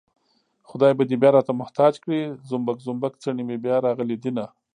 خدای به دې بيا راته محتاج کړي زومبک زومبک څڼې مې بيا راغلي دينه